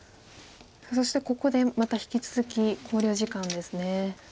さあそしてここでまた引き続き考慮時間ですね。